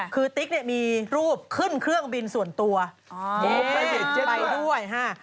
คือติ๊กมีรูปขึ้นเครื่องบินส่วนตัวไปด้วยฮะ